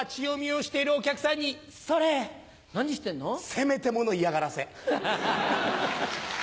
せめてもの嫌がらせ。